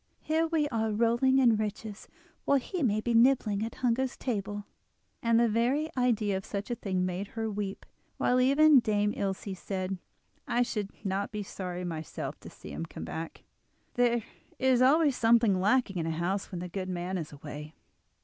Here we are rolling in riches while he may be nibbling at hunger's table." And the very idea of such a thing made her weep, while even Dame Ilse said: "I should not be sorry myself to see him come back—there is always something lacking in a house when the good man is away."